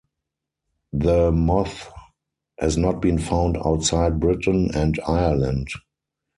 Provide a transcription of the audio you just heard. The moth has not been found outside Britain and Ireland.